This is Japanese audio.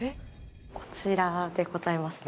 こちらでございますね。